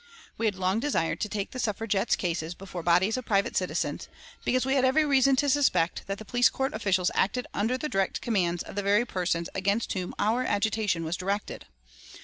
We had long desired to take the Suffragettes' cases before bodies of private citizens, because we had every reason to suspect that the police court officials acted under the direct commands of the very persons against whom our agitation was directed.